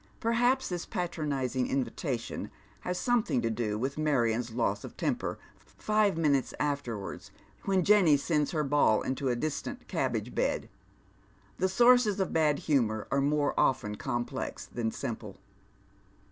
Perhaps this patronizing invitation has something to do with Marion's loss of temper five minutes afterwards, when Jenny sends her ball into a distant cabbage bed. The sources of bad humour are more often complex than simple.